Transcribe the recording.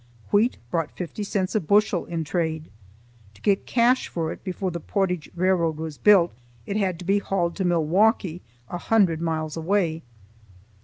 Wheat brought fifty cents a bushel in trade. To get cash for it before the Portage Railway was built, it had to be hauled to Milwaukee, a hundred miles away.